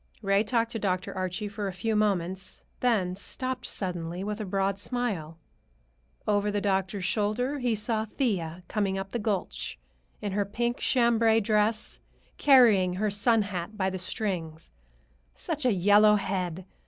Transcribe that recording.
Ray talked to Dr. Archie for a few moments, then stopped suddenly, with a broad smile. Over the doctor's shoulder he saw Thea coming up the gulch, in her pink chambray dress, carrying her sun hat by the strings. Such a yellow head!